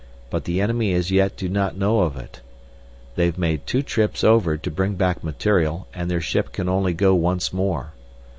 But the enemy as yet do not know of it. They've made two trips over to bring back material and their ship can only go once more.